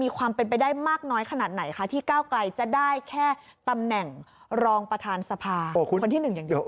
ความเป็นไปได้มากน้อยขนาดไหนคะที่ก้าวไกลจะได้แค่ตำแหน่งรองประธานสภาคนที่๑อย่างเดียว